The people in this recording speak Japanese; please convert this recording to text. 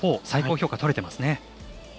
４最高評価が取れてますね。